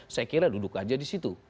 saya kira duduk aja di situ